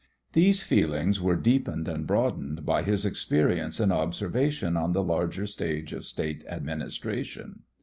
These feelings were deepened and broadened by his experience and observation on the larger stage of State administration.